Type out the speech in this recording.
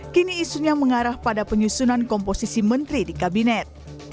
kini isunya mengarah pada penyusunan komposisi menteri di kabinet